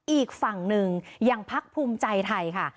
อีกฝั่งหนึ่งอย่างพักภูมิใจไทยค่ะ